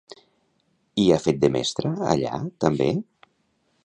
Hi ha fet de mestra, allà, també?